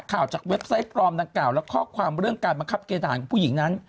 จากเว็บไซต์ปลอมดังกล่าวและข้อความเรื่องการบังคับเกณฑหารของผู้หญิงนั้น